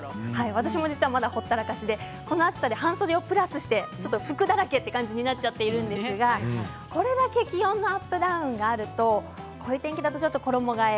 私も実はほったらかしでこの暑さで半袖をプラスして服だらけという感じになっちゃってるんですがこれが適温のアップダウンがあると衣がえ